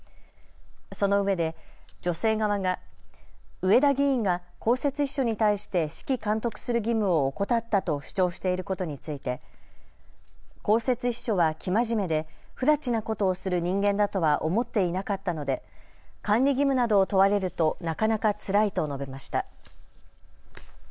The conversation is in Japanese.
そのうえで女性側が上田議員が公設秘書に対して指揮監督する義務を怠ったと主張していることについて公設秘書は生真面目でふらちなことをする人間だとは思っていなかったので管理義務などを問われるとなかなかつらいと述べました。